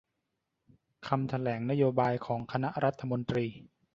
คำแถลงนโยบายของคณะรัฐมนตรี